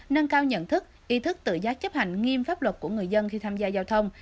nâng cao nhận thức ý thức tự giác chấp hành nghiêm pháp luật của người dân khi tham gia giao thông